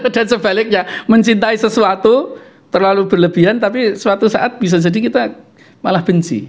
dan sebaliknya mencintai sesuatu terlalu berlebihan tapi suatu saat bisa jadi kita malah benci